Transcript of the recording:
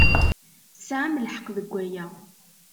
Tesɛam lḥeqq deg waya.